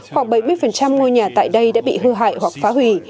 khoảng bảy mươi ngôi nhà tại đây đã bị hư hại hoặc phá hủy